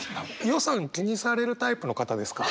予算気にされるタイプの方ですか？